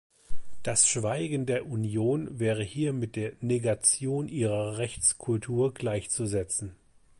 Das Schweigen der Union wäre hier mit der Negation ihrer Rechtskultur gleichzusetzen.